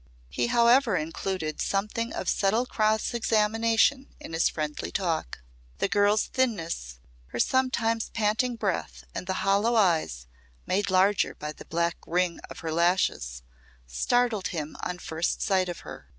He however included something of subtle cross examination in his friendly talk. The girl's thinness, her sometimes panting breath and the hollow eyes made larger by the black ring of her lashes startled him on first sight of her.